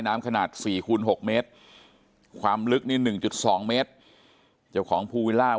น้ำขนาด๔คูณ๖เมตรความลึกนี่๑๒เมตรเจ้าของภูวิลล่า